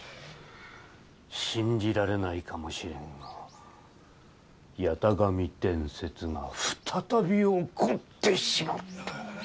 信じられないかもしれんが八咫神伝説が再び起こってしまった。